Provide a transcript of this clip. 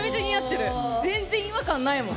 全然違和感ないもん。